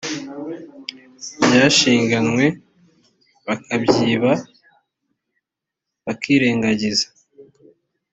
byashinganywe bakabyiba bakirengagiza